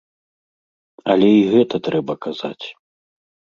Але і гэта трэба казаць.